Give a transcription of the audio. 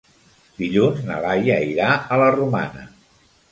Dilluns na Laia irà a la Romana.